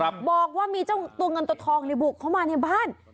บอกว่ามีเจ้าตัวเงินตัวทองในบุกเข้ามาในบ้าน